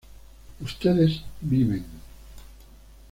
ustedes viven